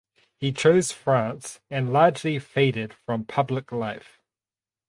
He chose France and largely faded from public life.